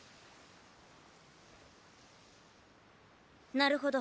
なるほど。